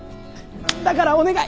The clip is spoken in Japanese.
だからお願い！